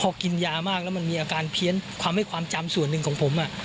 พอกินยามากแล้วมันมีอาการเพี้ยนความให้ความจำส่วนหนึ่งของผม